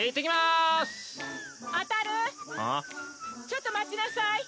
ちょっと待ちなさい。